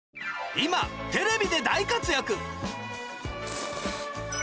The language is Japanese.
今テレビで大活躍